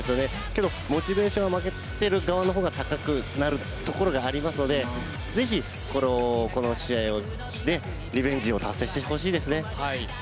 けど、モチベーションは負けてる側の方が高くなるところがありますのでぜひ、この試合でねリベンジを達成してほしいですね。